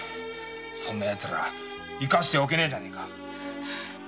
そんなヤツら生かしておけねえじゃねえか！